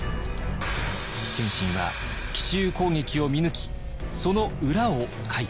謙信は奇襲攻撃を見抜きその裏をかいたのです。